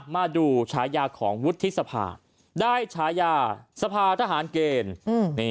มาดูฉายาของวุฒิสภาได้ฉายาสภาทหารเกณฑ์